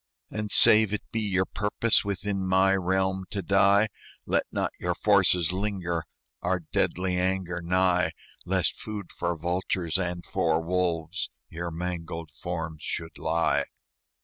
"And, save it be your purpose Within my realm to die, Let not your forces linger Our deadly anger nigh, Lest food for vultures and for wolves Your mangled forms should lie."